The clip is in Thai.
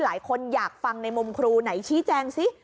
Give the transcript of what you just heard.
หลายคนอยากฟังในมุมครูไหนชี้แจงซิ